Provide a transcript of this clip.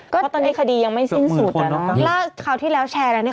ก็ตอนนี้คดียังไม่สิ้นสุดอ่ะเนอะถ้าคราวที่แล้วแชร์แล้วเนี่ย